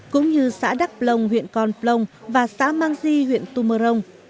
cũng như xã đắc plông huyện con plông và xã mang di huyện tumorong